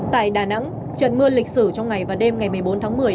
tại đà nẵng trận mưa lịch sử trong ngày và đêm ngày một mươi bốn tháng một mươi